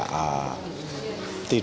tidak mengurangi syarat kualitatif dari tenaga